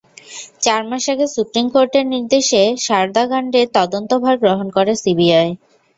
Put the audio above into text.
চার মাস আগে সুপ্রিম কোর্টের নির্দেশে সারদাকাণ্ডের তদন্তভার গ্রহণ করে সিবিআই।